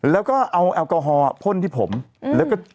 แล้วก็เอาแอลกอฮอล์พ่นที่ผมแล้วก็